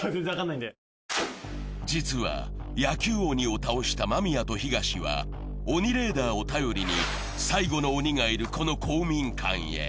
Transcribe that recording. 実は野球鬼を倒した間宮と東は鬼レーダーを頼りに最後の鬼がいる、この公民館へ。